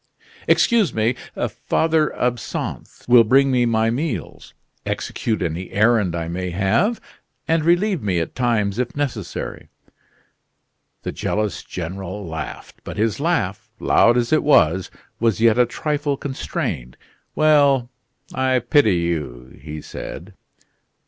"Excuse me! Father Absinthe will bring me my meals, execute any errand I may have, and relieve me at times if necessary." The jealous General laughed; but his laugh, loud as it was, was yet a trifle constrained. "Well, I pity you," he said.